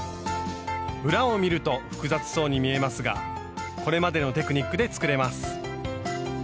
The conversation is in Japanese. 裏を見ると複雑そうに見えますがこれまでのテクニックで作れます。